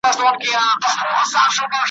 او په نهه کلنی کي یې په یوه عام محضر کي ,